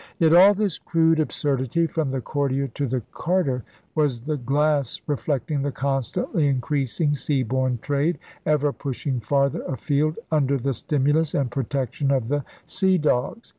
' Yet all this crude absurdity, 'from the courtier to the carter,' was the glass reflecting the constantly increasing sea borne trade, ever pushing farther afield under the stimulus and protection of the sea dogs.